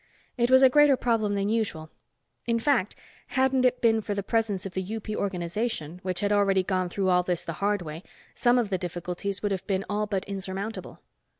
It was a greater problem than usual. In fact, hadn't it been for the presence of the UP organization, which had already gone through all this the hard way, some of the difficulties would have been all but insurmountable.